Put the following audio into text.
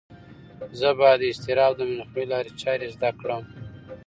زه باید د اضطراب د مخنیوي لارې چارې زده کړم.